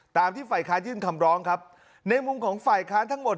ตามที่ฝ่ายค้านยื่นคำร้องครับในมุมของฝ่ายค้านทั้งหมด